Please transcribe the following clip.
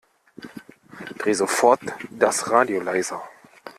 Dreh sofort das Radio leiser